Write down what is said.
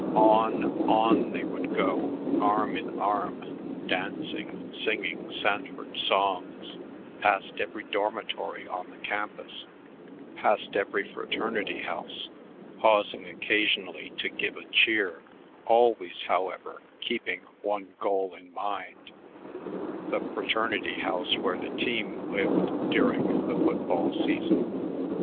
On, on they would go, arm in arm, dancing, singing Sanford songs, past every dormitory on the campus, past every fraternity house pausing occasionally to give a cheer, always, however, keeping one goal in mind, the fraternity house where the team lived during the football season.